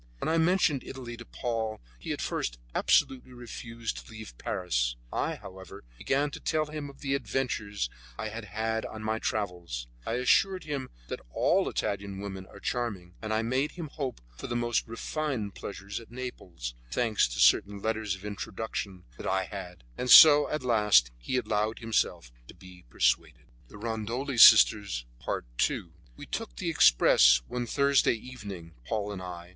When I mentioned Italy to Paul he at first absolutely refused to leave Paris. I, however, began to tell him of the adventures I had on my travels. I assured him that all Italian women are charming, and I made him hope for the most refined pleasures at Naples, thanks to certain letters of introduction which I had; and so at last he allowed himself to be persuaded. II We took the express one Thursday evening, Paul and I.